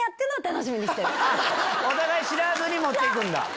お互い知らずに持って行くんだ。